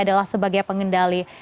adalah sebagai pengendali